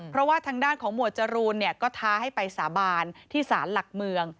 เพราะว่าทางด้านของหมวดจรูนก็ท้าให้ไปสาบานที่สารหลักเมือง